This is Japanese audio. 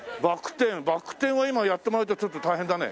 バク転は今やってもらうってちょっと大変だね。